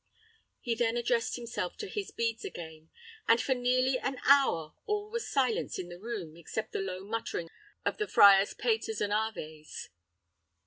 He then addressed himself to his beads again, and for nearly an hour all was silence in the room, except the low muttering of the friar's paters and aves.